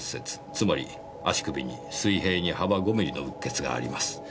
つまり足首に水平に幅５ミリのうっ血があります。